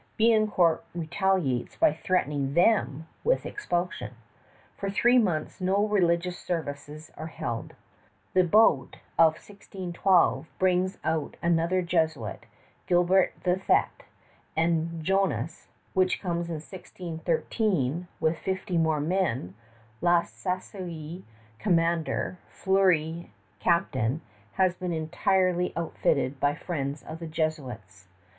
Biencourt retaliates by threatening them with expulsion. For three months no religious services are held. The boat of 1612 brings out another Jesuit, Gilbert du Thet; and the Jonas, which comes in 1613 with fifty more men, La Saussaye, commander, Fleury, captain, has been entirely outfitted by friends of the Jesuits.